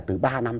từ ba năm